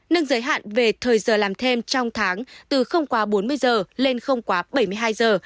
nâng giới hạn về thời giờ làm thêm trong tháng từ không quá bốn mươi giờ lên không quá bảy mươi hai giờ